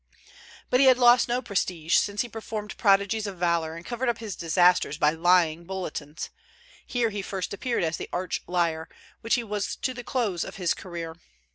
But he had lost no prestige, since he performed prodigies of valor, and covered up his disasters by lying bulletins. Here he first appeared as the arch liar, which he was to the close of his career.